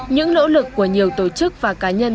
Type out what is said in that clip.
những nỗ lực của nhiều tổ chức và cá nhân